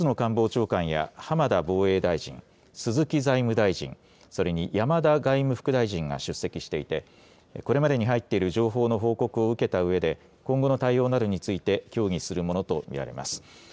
松野官房長官や浜田防衛大臣、鈴木財務大臣、それに山田外務副大臣が出席していてこれまでに入っている情報の報告を受けたうえで今後の対応などについて協議するものと見られます。